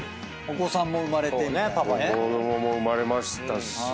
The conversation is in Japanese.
子供も生まれましたし。